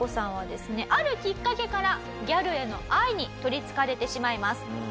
あるきっかけからギャルへの愛に取りつかれてしまいます。